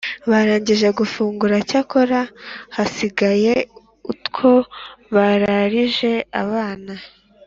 barangije gufungura, cyakora hasigaye utwo bararije abana.